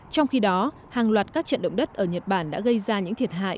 trong khi đó hàng loạt các trận động đất ở nhật bản đã gây ra những thiệt hại